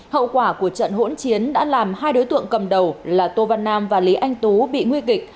hậu quả của trận hỗn chiến đã làm hai đối tượng cầm đầu là tô văn nam và lý anh tú bị nguy kịch